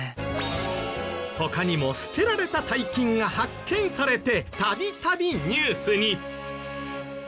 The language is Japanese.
他にも捨てられた大金が発見されて度々ニュースに。